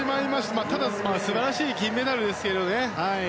ただ、素晴らしい銀メダルですけどね。